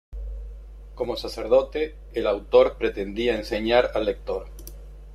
Como sacerdote, el autor pretendía enseñar al lector.